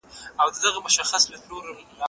زه لوښي نه وچوم